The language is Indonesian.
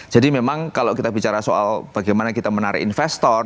jadi memang kalau kita bicara soal bagaimana kita menarik investor